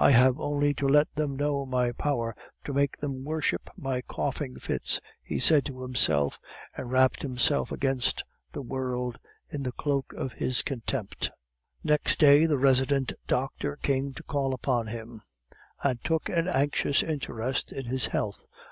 "I have only to let them know my power to make them worship my coughing fits," he said to himself, and wrapped himself against the world in the cloak of his contempt. Next day the resident doctor came to call upon him, and took an anxious interest in his health.